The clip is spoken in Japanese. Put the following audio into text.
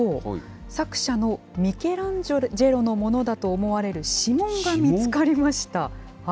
作者のミケランジェロのものだと思われる指紋が見つかりました。